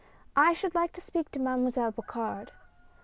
" I would like to speak to Mademoiselle Bocard."